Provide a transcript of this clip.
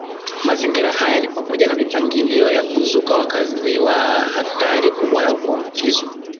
Mazingira haya ni pamoja na mipangilio ya kuzuka wakazi wa hatari kubwa ya kuambukizwa